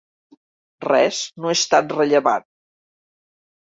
Res no és tan rellevant.